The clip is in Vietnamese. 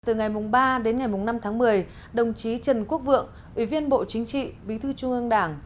từ ngày ba đến ngày năm tháng một mươi đồng chí trần quốc vượng ủy viên bộ chính trị bí thư trung ương đảng